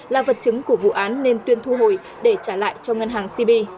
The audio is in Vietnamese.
là vật chứng của vụ án nên tuyên thu hồi để trả lại cho ngân hàng cb